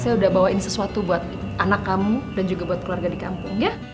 saya udah bawain sesuatu buat anak kamu dan juga buat keluarga di kampung ya